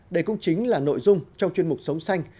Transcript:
đây cũng chính là nội dung trong chuyên mục sống xanh